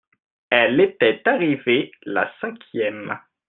elle était arrivée la cinquième.